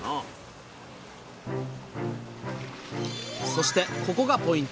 そしてここがポイント！